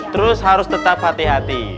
terus harus tetap hati hati